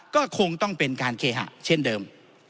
ก็คงต้องเป็นการเคหะเช่นเดิม